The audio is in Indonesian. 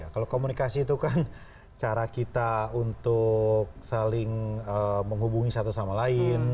kalau komunikasi itu kan cara kita untuk saling menghubungi satu sama lain